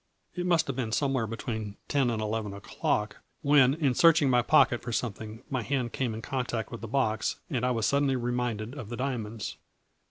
It must have been somewhere be tween ten and eleven o'clock, when, in search ing my pocket for something, my hand came in contact with the box, and I was suddenly re minded of the diamonds.